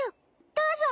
どうぞ。